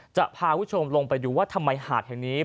จะพาคุณผู้ชมลงไปดูว่าทำไมหาดแห่งนี้